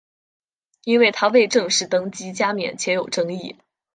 因为他未正式登基加冕且有争议。